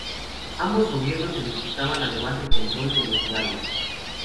Ambos Gobiernos se disputaban además el control de los Urales.